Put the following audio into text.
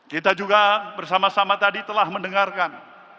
kita juga bersama sama tadi telah mendengarkan